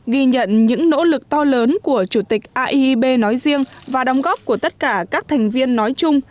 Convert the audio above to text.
ghi nhận những nỗ lực to lớn của chủ tịch aip nói riêng và đóng góp của tất cả các thành viên nói chung